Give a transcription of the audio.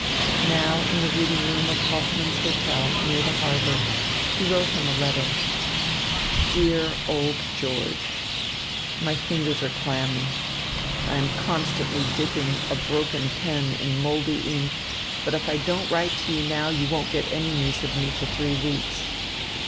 Now, in the reading room of Hofmann's Hotel, near the harbour, he wrote him a letter. Dear old George, My fingers are clammy. I am constantly dipping a broken pen in mouldy ink; but if I don't write to you now, you won't get any news of me for three weeks.